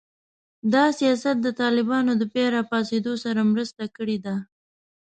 دا سیاست د طالبانو د بیا راپاڅېدو سره مرسته کړې ده